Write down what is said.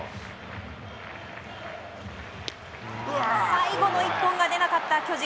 最後の１本が出なかった巨人。